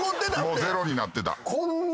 もうゼロになってた。